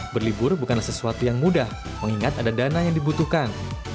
berlibur bukanlah sesuatu yang mudah mengingat ada dana yang dibutuhkan